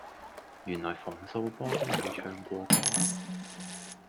原來馮素波都有唱過歌